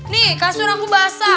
nih kasur aku basah